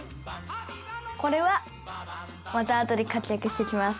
「これはまたあとで活躍してきます」